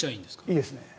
いいですね。